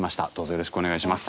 よろしくお願いします。